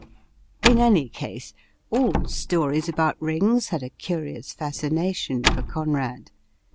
In any case, all stories about rings had a cmious fascination for Conrad.